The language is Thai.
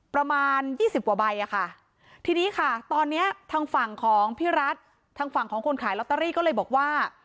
ประมาณยี่สิบกว่าใบอ่ะค่ะทีนี้ค่ะตอนเนี้ยทางฝั่งของพี่รัฐทางฝั่งของคนขายลอตเตอรี่ก็เลยบอกว่า